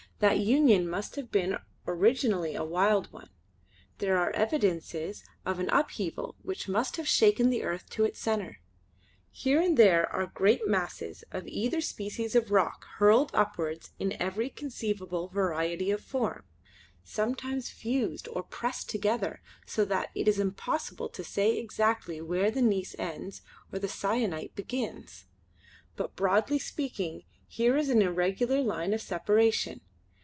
That union must have been originally a wild one; there are evidences of an upheaval which must have shaken the earth to its centre. Here and there are great masses of either species of rock hurled upwards in every conceivable variety of form, sometimes fused or pressed together so that it is impossible to say exactly where gneiss ends or sienite begins; but broadly speaking here is an irregular line of separation.